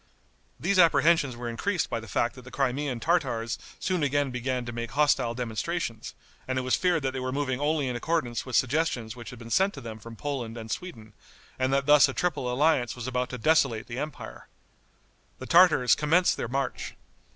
These apprehensions were increased by the fact that the Crimean Tartars soon again began to make hostile demonstrations, and it was feared that they were moving only in accordance with suggestions which had been sent to them from Poland and Sweden, and that thus a triple alliance was about to desolate the empire. The Tartars commenced their march.